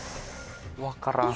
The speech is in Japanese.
分からん。